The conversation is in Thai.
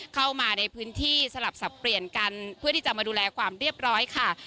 เข้ามาในพื้นที่สลับสับเปลี่ยนกันเพื่อที่จะมาดูแลความเรียบร้อยค่ะ